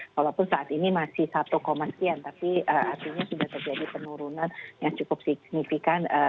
walaupun saat ini masih satu sekian tapi artinya sudah terjadi penurunan yang cukup signifikan